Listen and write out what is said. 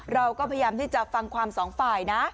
เราก็พยายามที่จะฟังความสองฝ่ายนะ